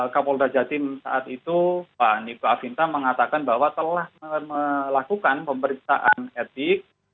kapolda jatim saat itu pak niko afinta mengatakan bahwa telah melakukan pemeriksaan etik